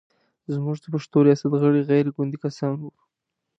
زموږ د پښتو ریاست غړي غیر ګوندي کسان و.